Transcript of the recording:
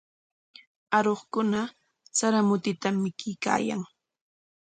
Aruqkuna sara mutitam mikuykaayan.